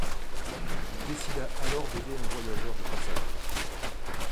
Il décida alors d'aider un voyageur de passage.